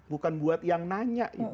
bukan buat yang nanya